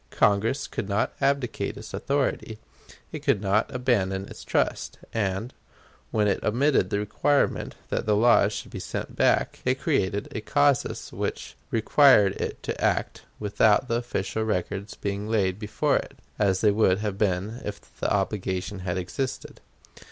Congress could not abdicate its authority; it could not abandon its trust; and, when it omitted the requirement that the laws should be sent back, it created a casus which required it to act without the official records being laid before it, as they would have been if the obligation had existed.